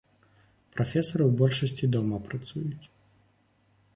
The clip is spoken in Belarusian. Прафесары ў большасці дома працуюць.